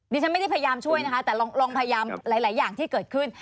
ดิฉันไม่ได้พยายามช่วยนะคะแต่ลองพยายามหลายอย่างที่เกิดขึ้น